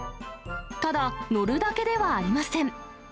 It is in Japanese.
ただ、乗るだけではありません。